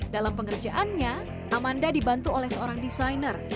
dalam pengerjaannya amanda dibantu oleh seorang desainer